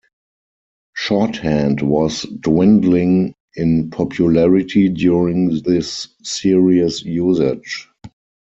Shorthand was dwindling in popularity during this series' usage.